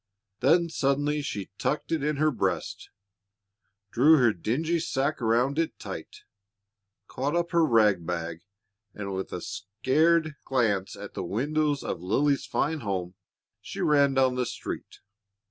Then suddenly she tucked it in her breast, drew her dingy sacque around it tight, caught up her rag bag, and with a scared glance at the windows of Lily's fine home, she ran down the street.